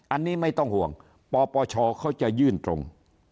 อันนี้ไม่ต้องห่วงปปชเขาจะยื่นตรง